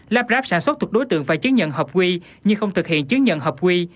lắp ráp sản xuất thuộc đối tượng phải chứng nhận hợp quy nhưng không thực hiện chứng nhận hợp quy